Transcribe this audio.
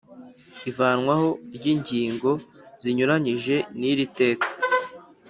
Ivanwaho ry’ingingo zinyuranyije n’iri teka